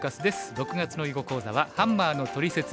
６月の囲碁講座は「ハンマーのトリセツ③」。